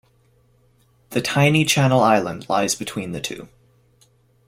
The tiny Channel Island lies between the two.